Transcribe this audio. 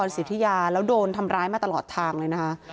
สิทธิยาแล้วโดนทำร้ายมาตลอดทางเลยนะคะ